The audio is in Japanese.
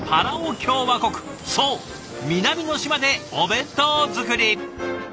そう南の島でお弁当作り。